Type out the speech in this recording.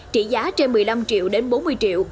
trị giá trên một mươi năm triệu đến bốn mươi triệu